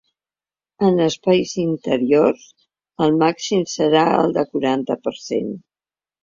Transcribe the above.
En espais interiors, el màxim serà del quaranta per cent.